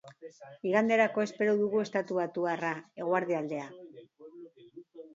Iganderako espero dugu estatubatuarra, eguerdi aldean.